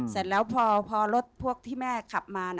เสร็จแล้วพอรถพวกที่แม่ขับมา